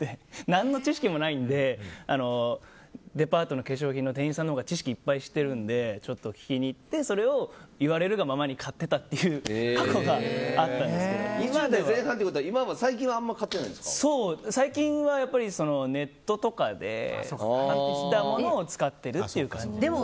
何の知識もないのでデパートの化粧品の店員さんのほうが知識いっぱい知ってるので聞きに行ってそれを言われるがままに買っていたという過去が２０代前半ってことは最近は最近はネットとかで買ったものを使ってるという感じです。